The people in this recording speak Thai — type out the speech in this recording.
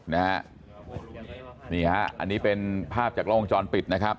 นี่ฮะอันนี้เป็นภาพจากล้องวงจรปิดนะครับ